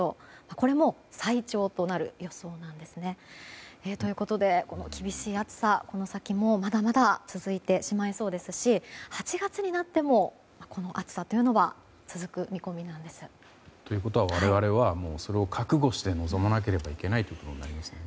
これも最長となる予想なんですね。ということで、厳しい暑さこの先もまだまだ続いてしまいそうですし８月になっても、この暑さというのは続く見込みなんです。ということは我々はそれを覚悟して臨まなければいけないということになりますね。